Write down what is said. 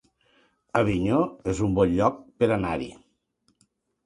Avinyó es un bon lloc per anar-hi